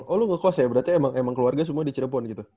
oh lu ngekos ya berarti emang keluarga semua di cirebon gitu